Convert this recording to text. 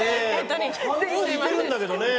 似てるんだけどね。